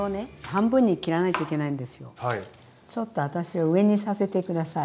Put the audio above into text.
ちょっと私は上にさせて下さい。